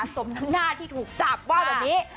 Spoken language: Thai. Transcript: สมทั้งหน้าที่ถูกจับว่าแบบนี้